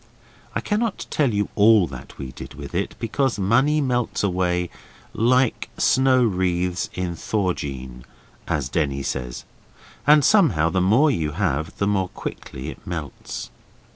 I cannot tell you all that we did with it, because money melts away 'like snow wreaths in thaw jean', as Denny says, and somehow the more you have the more quickly it melts.